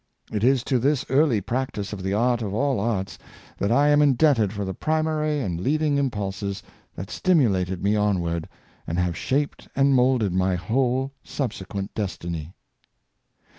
It is to this early practice of the art of all arts that I am indebted for the primary and leading im pulses that stimulated me onward and have shaped and moulded my whole subsequent destiny."